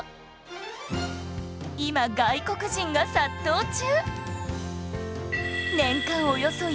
今外国人が殺到中！